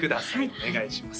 お願いします